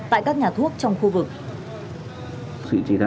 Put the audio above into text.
tại các nhà thuốc trong khu vực